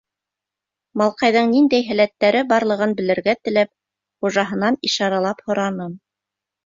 Малҡайҙың ниндәй һәләттәре барлығын белергә теләп, хужаһынан ишаралап һораным.